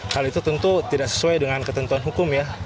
hal itu tentu tidak sesuai dengan ketentuan hukum ya